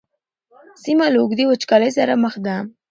سیمه له اوږدې وچکالۍ سره مخ ده.